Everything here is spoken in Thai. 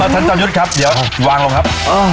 จรยุทธ์ครับเดี๋ยววางลงครับ